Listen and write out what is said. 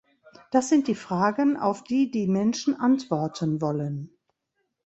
Das sind die Fragen, auf die die Menschen Antworten wollen.